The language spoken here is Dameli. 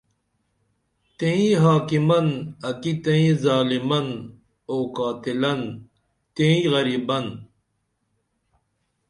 تئیں حاکِمن اکی تئیں ظالِمن او قاتِلن تئیں غریبن